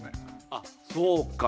あそうか。